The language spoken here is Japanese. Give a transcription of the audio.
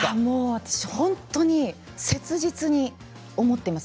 私、本当に切実に思っています。